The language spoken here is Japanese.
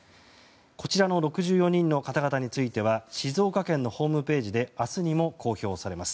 こちらの６４人の方々については静岡県のホームページで明日にも公表されます。